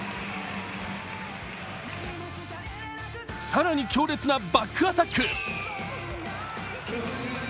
更に、強烈なバックアタック。